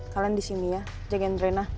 kalian di sini ya jagain tren nya